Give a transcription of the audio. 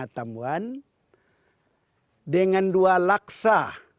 dua tamuan dengan dua laksa